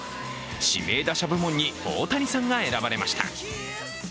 指名打者部門に大谷さんが選ばれました。